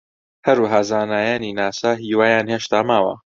هەروەها زانایانی ناسا هیوایان هێشتا ماوە